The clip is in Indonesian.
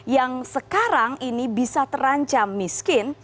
yang sekarang ini bisa terancam miskin